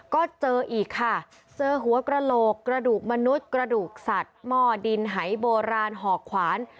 ก็เจออีกค่ะเจอหัวกระโหลกกระดูกมนุษย์กระดูกสัตว์หม้อดินหายโบราณหอกขวาน